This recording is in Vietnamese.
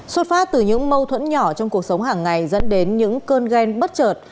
xuất phát từ những mâu thuẫn nhỏ trong cuộc sống hàng ngày dẫn đến những cơn ghen bất chợt